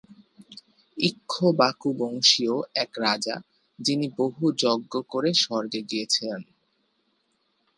ইক্ষ্বাকুবংশীয় এক রাজা, যিনি বহু যজ্ঞ করে স্বর্গে গিয়েছিলেন।